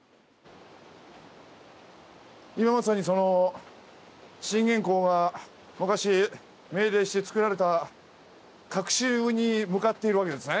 今まさにその信玄公が昔命令してつくられた隠し湯に向かっているわけですね。